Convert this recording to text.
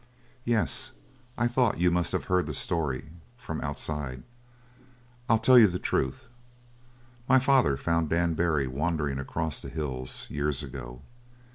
"Yes. I thought you must have heard the story from the outside. I'll tell you the truth. My father found Dan Barry wandering across the hills years ago.